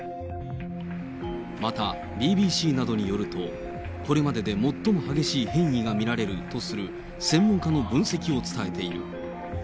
またＢＢＣなどによると、これまでで最も激しい変異が見られるとする専門家の分析を伝えている。